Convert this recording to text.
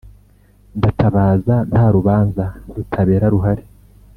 ndatabaza nta rubanza rutabera ruhari